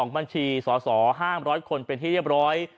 ๒บัญชีสอสอห้ามร้อยคนเป็นที่เรียบร้อย